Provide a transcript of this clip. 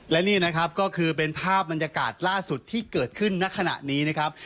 และนี่นะครับก็คือเป็นภาพบรรยากาศล่าสุดที่เกิดขึ้นณขณะนี้นะครับ